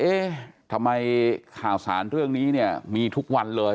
เอ๊ะทำไมข่าวสารเรื่องนี้เนี่ยมีทุกวันเลย